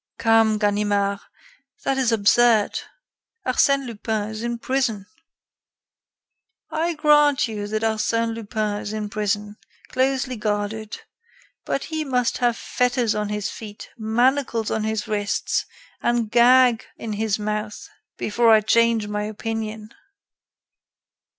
"Come, Ganimard, that is absurd. Arsène Lupin is in prison." "I grant you that Arsène Lupin is in prison, closely guarded; but he must have fetters on his feet, manacles on his wrists, and gag in his mouth before I change my opinion."